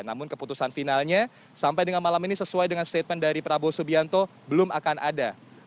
namun keputusan finalnya sampai dengan malam ini sesuai dengan statement dari prabowo subianto belum akan ada